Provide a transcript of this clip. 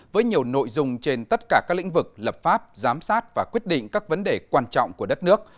với nhiều nội dung trên tất cả các lĩnh vực lập pháp giám sát và quyết định các vấn đề quan trọng của đất nước